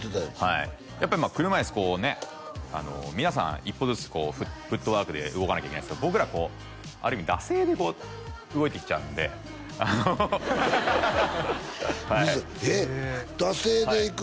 はいやっぱりまあ車いすこうね皆さん１歩ずつフットワークで動かなきゃいけないんですけど僕らこうある意味惰性で動いてきちゃうんであのはいえっ惰性で行く？